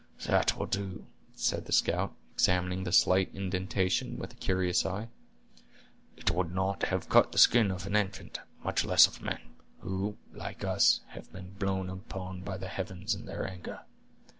"That will do," said the scout, examining the slight indentation with a curious eye; "it would not have cut the skin of an infant, much less of men, who, like us, have been blown upon by the heavens in their anger.